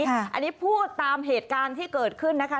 อันนี้พูดตามเหตุการณ์ที่เกิดขึ้นนะคะ